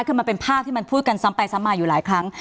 คือมันเป็นภาพที่มันพูดกันซ้ำไปซ้ำมาอยู่หลายครั้ง